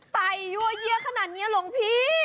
ต่ายยั่วเยี้ยะขนาดนี้หลงพี่